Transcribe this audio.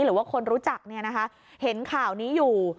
หรือว่าคนรู้จักเนี่ยนะคะเห็นข่าวนี้อยู่